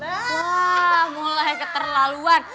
wah mulai keterlaluan